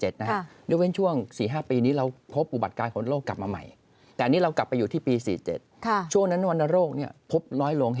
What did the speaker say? ตอนนั้นวรรณโลกซัพที่ปฏิบัติห์เกิดพบเนินลง